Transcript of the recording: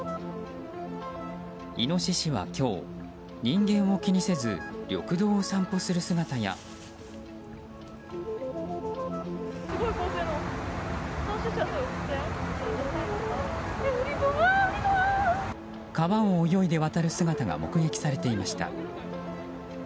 イノシシは今日、人間を気にせず緑道を散歩する姿や川を泳いで渡る姿が目撃されていました。